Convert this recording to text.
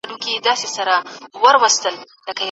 د ټونس تجربه يو درس و.